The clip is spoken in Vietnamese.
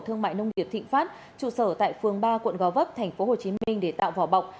thương mại nông nghiệp thịnh pháp trụ sở tại phường ba quận gò vấp tp hcm để tạo vỏ bọc